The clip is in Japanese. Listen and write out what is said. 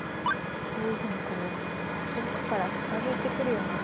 こういうふうに遠くから近づいてくるような。